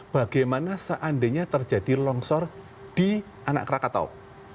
bagaimana seandainya terjadi longsor di anak krakatau